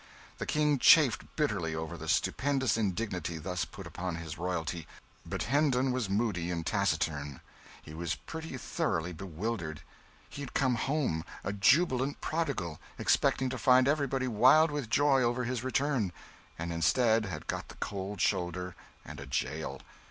The King chafed bitterly over the stupendous indignity thus put upon his royalty, but Hendon was moody and taciturn. He was pretty thoroughly bewildered; he had come home, a jubilant prodigal, expecting to find everybody wild with joy over his return; and instead had got the cold shoulder and a jail.